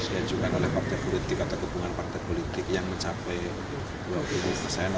yang juga oleh partai politik atau hubungan partai politik yang mencapai